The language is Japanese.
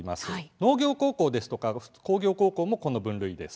農業高校ですとか工業高校もこの分類です。